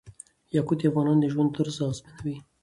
یاقوت د افغانانو د ژوند طرز اغېزمنوي.